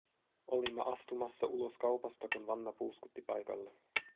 Olimme astumassa ulos kaupasta, kun Vanna puuskutti paikalle.